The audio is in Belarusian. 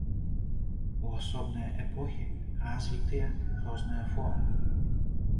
У асобныя эпохі развітыя розныя формы.